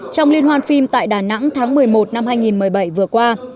trong liên hoan phim tại đà nẵng tháng một mươi một năm hai nghìn một mươi bảy vừa qua